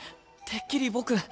てっきり僕。